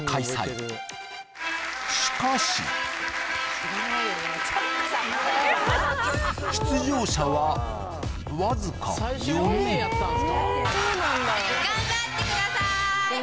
しかし出場者は頑張ってくださーい